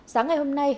sáng ngày hôm nay